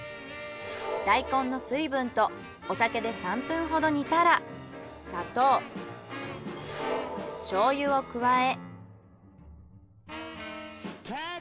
大根の水分とお酒で３分ほど煮たら砂糖醤油を加え。